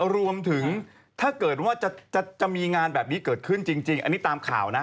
รวมถึงถ้าเกิดว่าจะมีงานแบบนี้เกิดขึ้นจริงอันนี้ตามข่าวนะ